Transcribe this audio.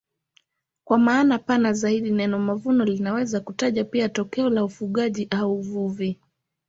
Kwa maana pana zaidi neno mavuno linaweza kutaja pia tokeo la ufugaji au uvuvi.